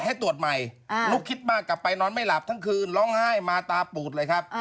ให้ตรวจใหม่นุ๊กคิดมากกลับไปนอนไม่หลับทั้งคืนร้องไห้มาตาปูดเลยครับ